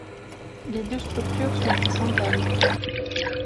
Les deux structures sont très semblables.